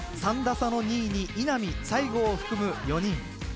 ３打差の２位に稲見西郷を含む４人。